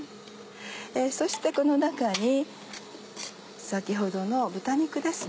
そしてこの中に先ほどの豚肉ですね。